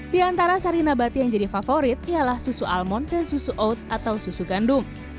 di antara sari nabati yang jadi favorit ialah susu almond dan susu oat atau susu gandum